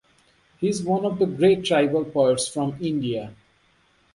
He is one of the great tribal poets from India.